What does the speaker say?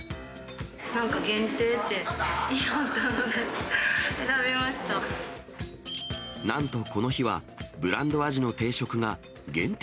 なんか限定って言っていたのなんとこの日は、ブランドアジの定食が限定